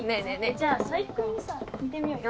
じゃあ佐伯君にさ聞いてみようよ。